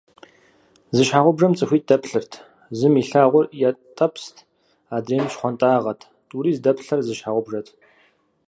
Зы щхьэгъубжэм цӏыхуитӏ дэплъырт. Зым илъагъур ятӏэпст, адрейм щхъуантӏагъэт. Тӏури зыдэплъыр зы щхьэгъубжэт…